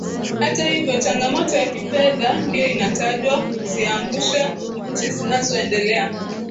Hata hivyo changamoto ya kifedha ndio inatajwa kuziangusha nchi zinazoendelea